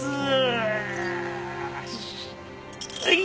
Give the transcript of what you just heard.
はい！